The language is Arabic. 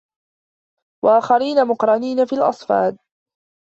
وَآخَرينَ مُقَرَّنينَ فِي الأَصفادِ